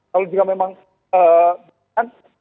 kalau juga memang kan